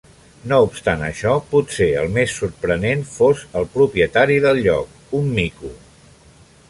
No obstant això, potser el més sorprenent fos el propietari del lloc, un mico.